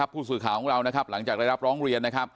ผู้สื่อข่าวของเราหลังจากระรับร้องเรียน